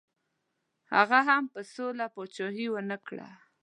هغه هم په سوله پاچهي ونه کړه.